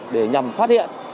để nhằm phát hiện